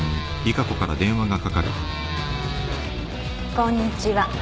こんにちは。